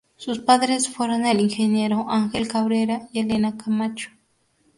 Sus padres fueron el ingeniero Ángel Cabrera y Elena Camacho.